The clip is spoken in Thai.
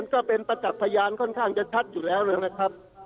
ก็เป็นประจักษ์พยานค่อนข้างจะชัดอยู่แล้วนะครับ